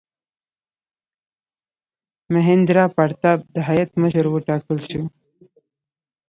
میهندراپراتاپ د هیات مشر وټاکل شو.